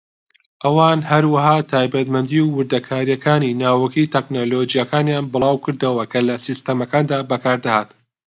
ئەوان هەروەها تایبەتمەندی و وردەکارییەکانی ناوەکی تەکنەلۆجیاکانیان بڵاوکردەوە کە لە سیستەمەکاندا بەکاردەهات.